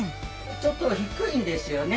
ちょっと低いんですよね。